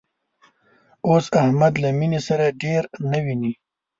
اوس احمد له مینې سره ډېر نه ویني